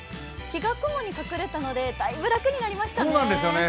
日が雲に隠れたのでだいぶ楽になりましたね。